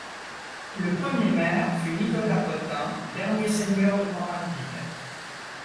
Le premier maire fut Nicolas Potin, dernier seigneur de Morainville.